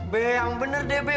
be yang bener be